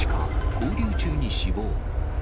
勾留中に死亡。